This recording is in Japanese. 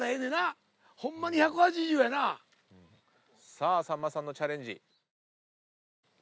さあさんまさんのチャレンジ。